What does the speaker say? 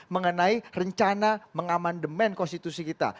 mengenai rencana mengamandemen konstitusi kita